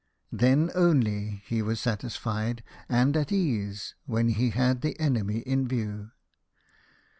Then only he was satisfied, and at ease, when he had the enemy in view.